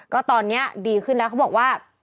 ก็ตอนนี้ดีขึ้นแล้วเขาบอกว่า